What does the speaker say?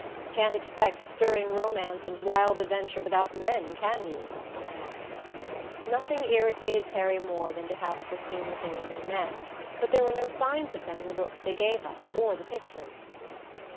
"Can't expect stirring romance and wild adventure without men, can you?" I asked. Nothing irritated Terry more than to have us assume that there were no men; but there were no signs of them in the books they gave us, or the pictures.